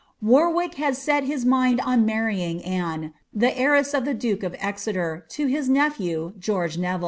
Warwick had set his mind on marrying le, tlie heiress of the duke of Exeter, to his nephew, George Ne ».